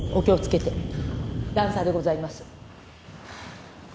また段差でございます。